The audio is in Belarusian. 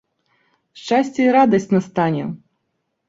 Шчасце і радасць настане!